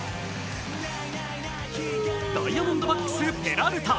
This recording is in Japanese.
ダイヤモンドバックスペラルタ。